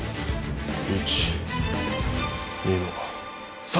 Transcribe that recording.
１２の３。